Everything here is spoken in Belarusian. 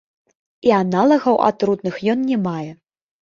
І аналагаў атрутных ён не мае.